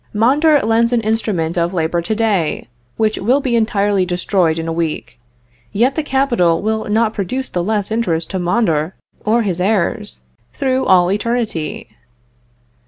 Mondor lends an instrument of labor to day, which will be entirely destroyed in a week, yet the capital will not produce the less interest to Mondor or his heirs, through all eternity.